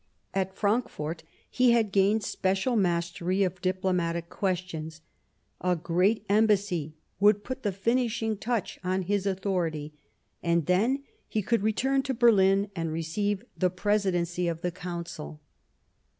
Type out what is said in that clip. At Frankfort he had gained special mastery of diplomatic questions ; a great Embassy would put the finishing touch on his authority, and then he could return to Berlin to receive the Presidency of the Council.